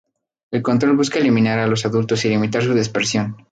El control busca eliminar a los adultos y limitar su dispersión.